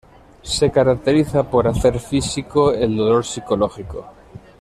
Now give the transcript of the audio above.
Se caracteriza por hacer físico el dolor psicológico.